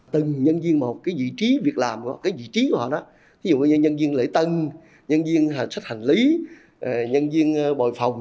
từng nhân viên một cái vị trí việc làm cái vị trí của họ đó ví dụ như nhân viên lễ tân nhân viên sách hành lý nhân viên bồi phòng